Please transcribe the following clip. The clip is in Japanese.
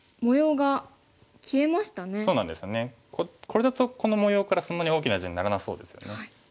これだとこの模様からそんなに大きな地にならなそうですよね。